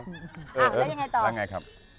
อ่าและยังไงต่อ